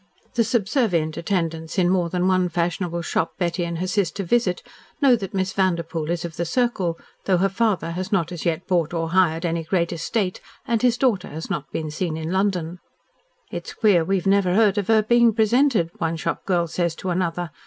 The subservient attendants in more than one fashionable shop Betty and her sister visit, know that Miss Vanderpoel is of the circle, though her father has not as yet bought or hired any great estate, and his daughter has not been seen in London. "Its queer we've never heard of her being presented," one shopgirl says to another.